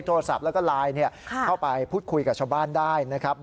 โทรศัพท์แล้วก็ไลน์เข้าไปพูดคุยกับชาวบ้านได้นะครับ